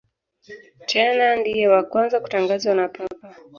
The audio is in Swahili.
Tena ndiye wa kwanza kutangazwa na Papa.